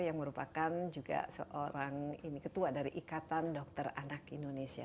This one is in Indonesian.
yang merupakan juga seorang ketua dari ikatan dokter anak indonesia